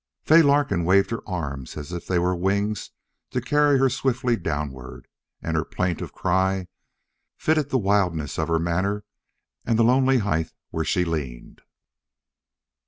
Fay Larkin waved her arms as if they were wings to carry her swiftly downward, and her plaintive cry fitted the wildness of her manner and the lonely height where she leaned.